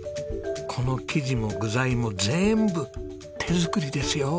この生地も具材も全部手作りですよ。